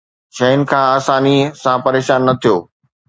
شين کان آساني سان پريشان نه ٿيو